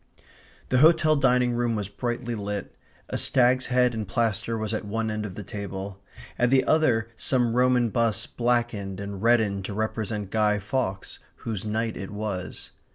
The hotel dining room was brightly lit. A stag's head in plaster was at one end of the table; at the other some Roman bust blackened and reddened to represent Guy Fawkes, whose night it was.